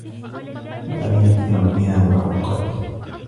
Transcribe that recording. وَأَذِنَت لِرَبِّها وَحُقَّت